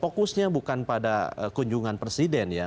fokusnya bukan pada kunjungan presiden ya